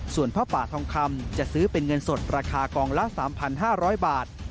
ส่วนผ้าป่าทองคำจะซื้อเป็นเงินสดราคากองละ๓๕๐๐บาท